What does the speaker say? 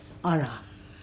あら。